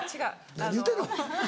何言うてんの？